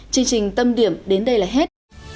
chương trình tâm điểm đến đây là hết